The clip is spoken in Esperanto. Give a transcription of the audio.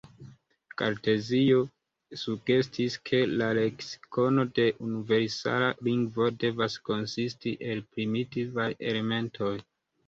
Kartezio sugestis ke la leksikono de universala lingvo devas konsisti el primitivaj elementoj.